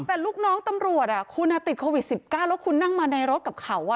แต่ลูกน้องตำรวจคุณติดโควิด๑๙แล้วคุณนั่งมาในรถกับเขา